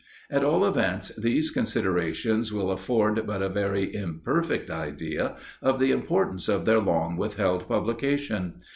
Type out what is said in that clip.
At all events, these considerations will afford but a very imperfect idea of the importance of their long withheld publication.